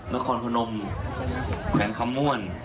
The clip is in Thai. นครคนนมแม่งคำม้วน